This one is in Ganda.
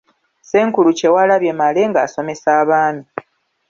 Ssenkulu Kyewalabye Male ng'asomesa Abaami.